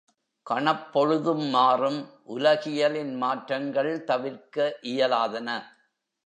கணப் பொழுதும் மாறும் உலகியலின் மாற்றங்கள் தவிர்க்க இயலாதன.